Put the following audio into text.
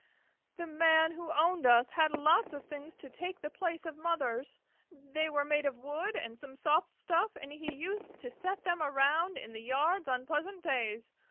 The Man who owned us had a lot of things to take the place of mothers. They were made of wood and some soft stuff and he used to set them around in the yards on pleasant days.